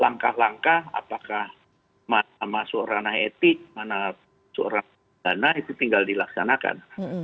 langkah langkah apakah mana masuk ranah etik mana masuk ranah dana itu tinggal dilaksanakan